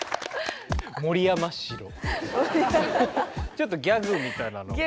ちょっとギャグみたいなのもね。